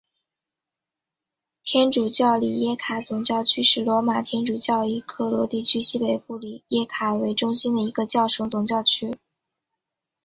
天主教里耶卡总教区是罗马天主教以克罗地亚西北部里耶卡为中心的一个教省总教区。